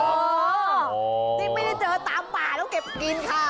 โอ้โหนี่ไม่ได้เจอตามป่าแล้วเก็บกินค่ะ